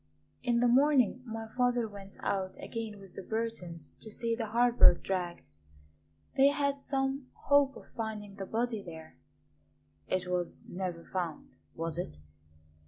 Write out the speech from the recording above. In the morning my father went out again with the Burtons to see the harbour dragged. They had some hope of finding the body there." "It was never found, was it?"